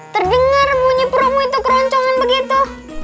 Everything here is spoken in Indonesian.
terdengar bunyi promo itu keroncongan begitu